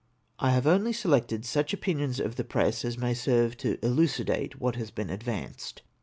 I have oiily selected such opinions of tlie press as may serve to ehicidate what has been advanced.